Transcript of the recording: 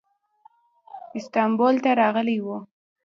استانبول ته راغلی و.